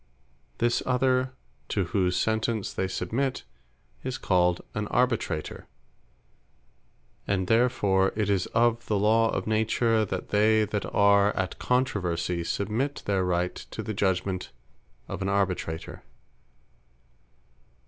This other, to whose Sentence they submit, is called an ARBITRATOR. And therefore it is of the Law of Nature, "That they that are at controversie, submit their Right to the judgement of an Arbitrator."